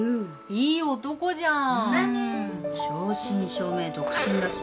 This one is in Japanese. いいじゃん。